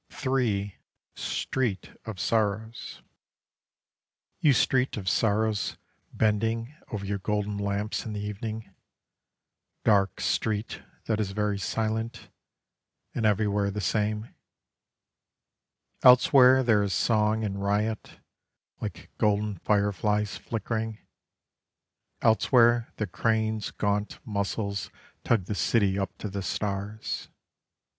III STREET OF SORROWS You street of sorrows bending Over your golden lamps in the evening; Dark street that is very silent, And everywhere the same: Elsewhere there is song and riot, Like golden fireflies flickering, Elsewhere the crane's gaunt muscles Tug the city up to the stars.